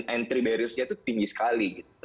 entry barriers nya itu tinggi sekali gitu